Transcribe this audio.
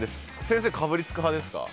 先生かぶりつく派ですか？